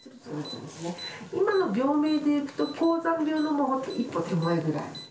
今の病名でいうと、高山病の一歩手前ぐらい。